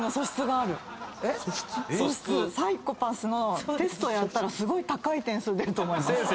サイコパスのテストをやったらすごい高い点数出ると思います。